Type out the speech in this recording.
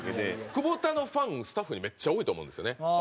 久保田のファンスタッフにめっちゃ多いと思うんですよね。